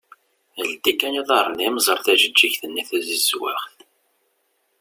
Ldi kan iḍarren-im ẓer tajeğğigt-nni tazizwaɣt.